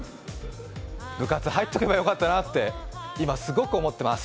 部活入っとけばよかったなって今、すごく思ってます。